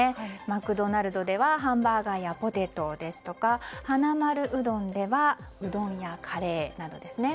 マクドナルドではハンバーガーやポテトですとかはなまるうどんではうどんやカレーなどですね。